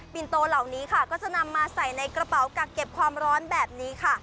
ินโตเหล่านี้ค่ะก็จะนำมาใส่ในกระเป๋ากักเก็บความร้อนแบบนี้ค่ะ